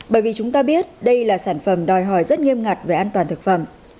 bởi vì chúng ta biết đây là sản phẩm đòi hỏi rất nghiêm ngặt về an toàn thực phẩm